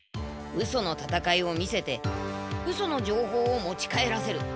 ウソのたたかいを見せてウソの情報を持ち帰らせる。